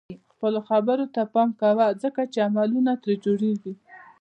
خپلو خبرو ته پام کوه ځکه چې عملونه ترې جوړيږي.